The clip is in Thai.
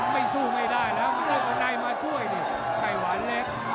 ไม่สู้ไม่ได้นะไม่ได้กว่าในมาช่วยดิไข่หวานเล็ก